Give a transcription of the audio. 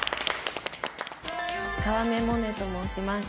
川目モネと申します。